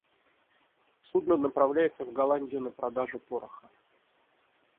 Судно направляется в Голландию на продажу пороха.